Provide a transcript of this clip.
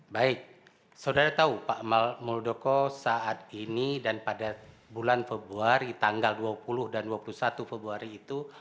baik saudara tahu pak muldoko saat ini dan pada bulan februari tanggal dua puluh dan dua puluh satu februari itu